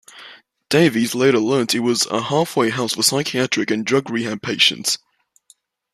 Davies later learned it was a half-way house for psychiatric and drug rehab patients.